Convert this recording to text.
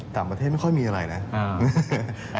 ต่างประเทศไม่ค่อยมีอะไรนะ